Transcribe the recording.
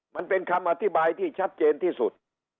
มันเป็นคำอธิบายที่ชัดเจนที่สุด